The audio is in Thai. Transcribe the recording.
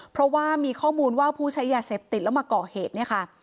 เพราะว่ามีข้อมูลว่าผู้ใช้ยาเสพติดแล้วมาก่อเหตุเนี่ยค่ะ